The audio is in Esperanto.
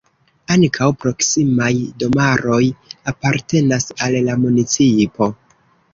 Ankaŭ proksimaj domaroj apartenas al la municipo.